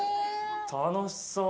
楽しそう。